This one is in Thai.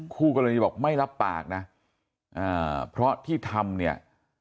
คู่กรณีบอกไม่รับปากนะเพราะที่ทำเนี่ย